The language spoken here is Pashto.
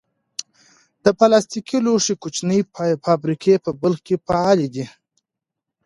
د پلاستیکي لوښو کوچنۍ فابریکې په بلخ کې فعالې دي.